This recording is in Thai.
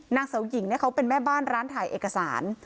นางสาวหญิงเขาเป็นแม่บ้านร้านถ่ายเอกสาร